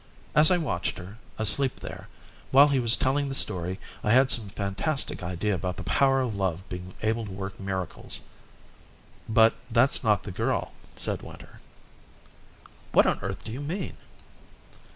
As I watched her, asleep there, while he was telling the story I had some fantastic idea about the power of love being able to work miracles." "But that's not the girl," said Winter. "What on earth do you mean?"